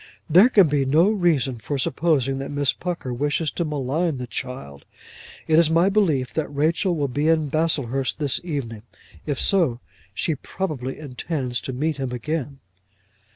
"There can be no reason for supposing that Miss Pucker wishes to malign the child. It is my belief that Rachel will be in Baslehurst this evening. If so, she probably intends to meet him again."